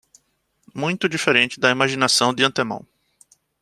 Muito diferente da imaginação de antemão